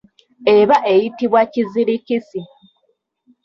Eba eyitibwa kizirikisi.